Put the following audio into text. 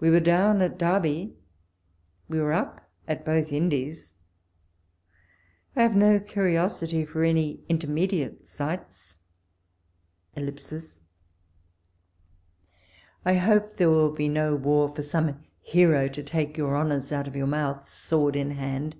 We were down at Derby, we were up at both Indies ; I have no curiosity for any intermediate sights. ... I hope there will be no war for some hero to take your honours out of your mouth, sword in hand.